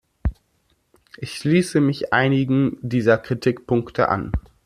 Ich schließe mich einigen dieser Kritikpunkte an.